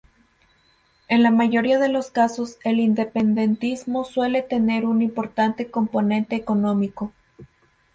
En la mayoría de los casos, el independentismo suele tener un importante componente económico.